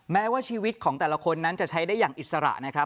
แม้ว่าชีวิตของแต่ละคนนั้นจะใช้ได้อย่างอิสระนะครับ